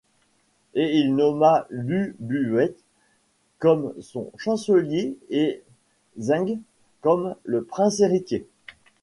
Et Il nomma Lü Buwei comme son chancelier et Zheng comme le prince héritier.